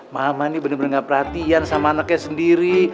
mama ini bener bener gak perhatian sama anaknya sendiri